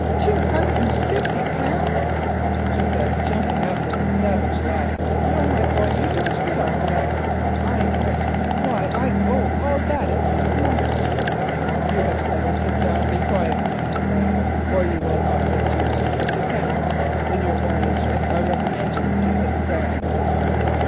"Two hundred and fifty pounds!" she said, jumping up with a savage laugh. "No, my boy, you don't get off for that if I know it. Why, I owe all that at this moment." "You had better sit down and be quiet," he said, "or you will not get two hundred and fifty pence. In your own interest I recommend you to sit down."